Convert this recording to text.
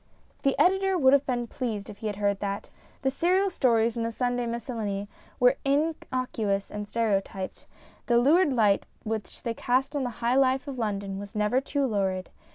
The Editor would have been pleased if he had heard that. The serial stories in The Sunday Miscellany were innocuous and stereotyped. The lurid light which they cast on the high life of London was never too lurid.